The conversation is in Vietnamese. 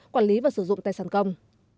quản lý và sử dụng tài sản công